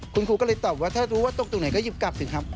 คุณครูก็เลยตอบว่าถ้ารู้ว่าตกตรงไหนก็หยิบกลับสิครับ